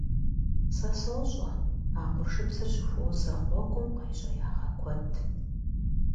Сэ сощӀэ, а къуршыпсыр щыхуозэ гъуэгум къуейщӀеягъэ куэд.